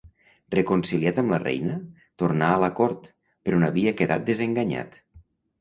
Reconciliat amb la reina, tornà a la cort, però n'havia quedat desenganyat.